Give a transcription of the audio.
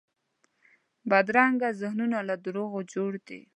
بدرنګه ذهنونه له دروغو جوړ دي